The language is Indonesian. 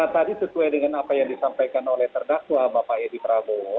tadi sesuai dengan apa yang disampaikan oleh terdakwa bapak edi prabowo